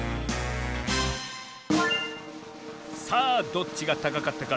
さあどっちがたかかったかみてみるぞ。